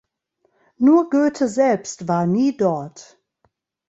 Nur Goethe selbst war nie dort.